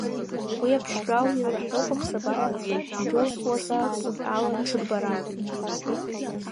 Уи аԥштәала еилаҳәоуп аԥсабара, идәылҵуазаап уи ала ҽырбара.